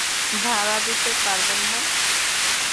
ভাড়া দিতে পারবেন না।